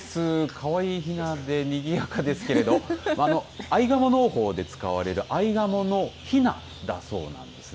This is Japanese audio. かわいいひなでにぎやかですけどアイガモ農法で使われるアイガモのひなだそうなんです。